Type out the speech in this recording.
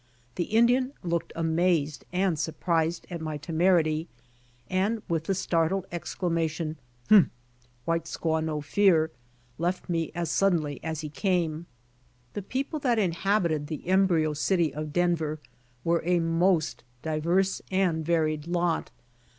The Indian looked amazed and surprised at my temerity, and with the startled exclamation, "Humph, white squaw no fear," left me as suddenly as he came. The people that inhabited the embryo city of Denver were a most diverse and varied lot.